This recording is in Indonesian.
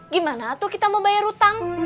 gimana tuh kita mau bayar utang